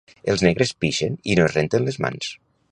Els negres pixen i no es renten les mans